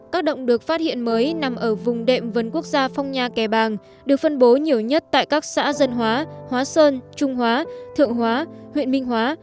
các động được phát hiện mới nằm ở vùng đệm vườn quốc gia phong nha kẻ bàng được phân bố nhiều nhất tại các xã dân hóa hóa sơn trung hóa thượng hóa huyện minh hóa